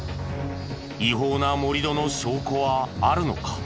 違法な盛り土の証拠はあるのか？